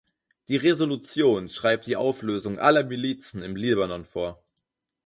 Die Resolution schreibt die Auflösung aller Milizen im Libanon vor.